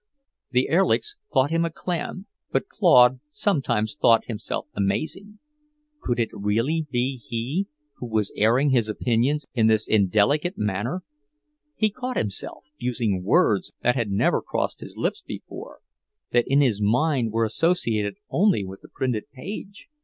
The Erlichs thought him a clam, but Claude sometimes thought himself amazing. Could it really be he, who was airing his opinions in this indelicate manner? He caught himself using words that had never crossed his lips before, that in his mind were associated only with the printed page.